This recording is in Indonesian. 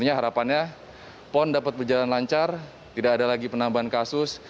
harapannya pon dapat berjalan lancar tidak ada lagi penambahan kasus